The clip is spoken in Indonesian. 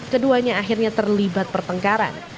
keduanya akhirnya terlibat pertengkaran